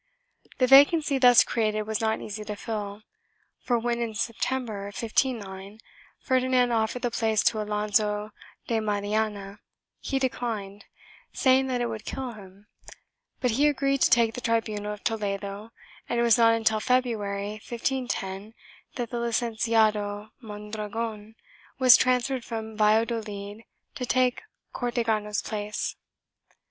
The vacancy thus created was not easy to fill, for when, in September, 1509, Ferdinand offered the place to Alonso de Mariana he declined, saying that it would kill him, but he agreed to take the tribunal of Toledo, and it was not until February, 1510, that the Licenciado Mondragon was transferred from Valladolid to take Cortegano's place.